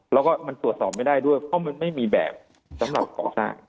แล้วก็มันตรวจสอบไม่ได้ด้วยเพราะมันไม่มีแบบสำหรับก่อสร้าง